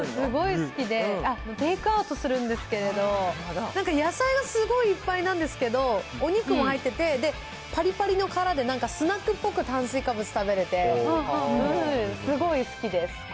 タコスがすごい好きで、テイクアウトするんですけど、なんか野菜がすごいいっぱいなんですけど、お肉も入ってて、ぱりぱりの皮で、スナックっぽく炭水化物食べれて、すごい好きです。